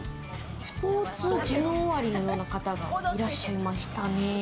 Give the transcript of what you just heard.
スポーツジム終わりのような方がいらっしゃいましたね。